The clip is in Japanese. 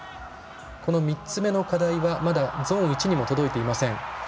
この３つ目の課題はまだゾーン１にも届いていません。